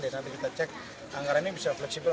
dan nanti kita cek anggaran ini bisa fleksibel